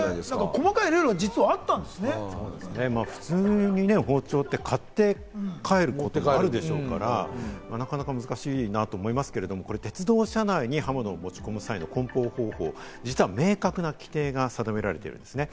細かいルールが実はあったん普通に包丁って買って持って帰ることあるでしょうから、なかなか難しいなと思いますが、これ、鉄道車内に刃物を持ち込む際の梱包方法、実は明確な規定が定められているんですね。